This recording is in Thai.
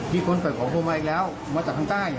มีคนไฟรือของพวกมันอีกแล้วมาจากด้านใด